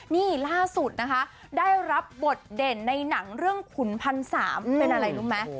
นี่ล่าสุดนะคะได้รับบทเด่นในหนังเรื่องขุนพันสามเป็นอะไรรู้ไหม